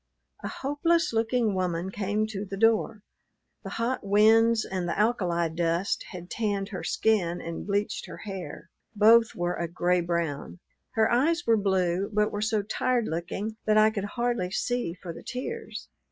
A hopeless looking woman came to the door. The hot winds and the alkali dust had tanned her skin and bleached her hair; both were a gray brown. Her eyes were blue, but were so tired looking that I could hardly see for the tears.